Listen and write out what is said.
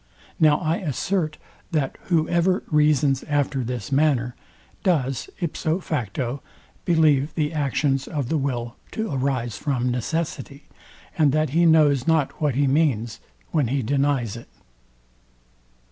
Now I assert, that whoever reasons after this manner, does ipso facto believe the actions of the will to arise from necessity, and that he knows not what he means, when he denies it.